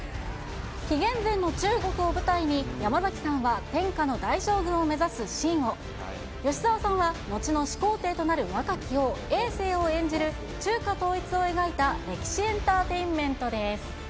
紀元前の中国を舞台に、山崎さんは天下の大将軍を目指す信を、吉沢さんは後の始皇帝となる若き王、えい政を演じる、中華統一を描いた歴史エンターテインメントです。